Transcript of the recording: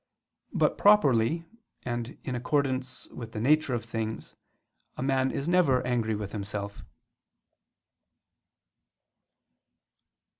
But properly, and in accordance with the nature of things, a man is never angry with himself.